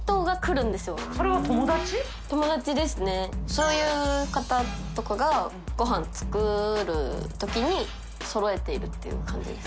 そういう方とかが竿唳遒襪箸そろえているっていう感じです。